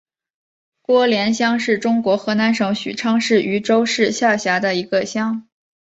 郭连乡是中国河南省许昌市禹州市下辖的一个乡。